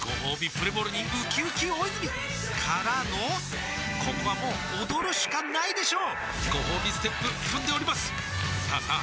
プレモルにうきうき大泉からのここはもう踊るしかないでしょうごほうびステップ踏んでおりますさあさあ